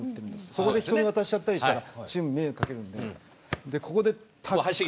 そこで人に渡しちゃったりしたらチームに迷惑をかけるんで。